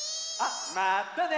まったね！